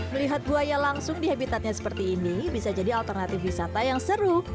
melihat buaya langsung di habitatnya seperti ini bisa jadi alternatif wisata yang seru